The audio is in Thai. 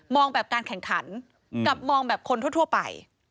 แบบการแข่งขันกับมองแบบคนทั่วไป